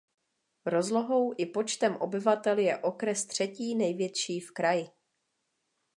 Rozlohou i počtem obyvatel je okres třetí největší v kraji.